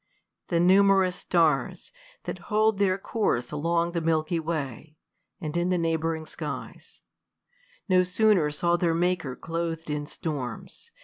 The numerous stars, that hold their course along The milky way, and in the iicighb'ring skies, No sooner saw their Maker cloth'd in storms.